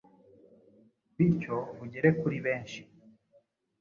bityo bugere kuri benshi